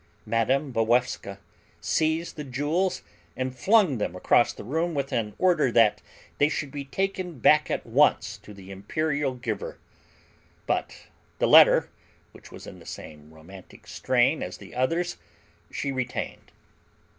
Mme. Walewska seized the jewels and flung them across the room with an order that they should be taken back at once to the imperial giver; but the letter, which was in the same romantic strain as the others, she retained.